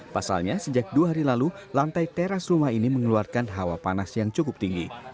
pasalnya sejak dua hari lalu lantai teras rumah ini mengeluarkan hawa panas yang cukup tinggi